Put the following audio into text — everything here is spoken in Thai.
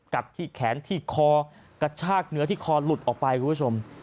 กัดที่แขนที่คอกระชากเนื้อที่คอหลุดออกไปคุณผู้ชม